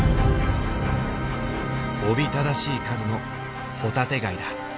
おびただしい数のホタテガイだ。